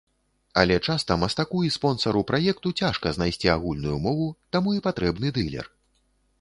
Але часта мастаку і спонсару праекту цяжка знайсці агульную мову, таму і патрэбны дылер.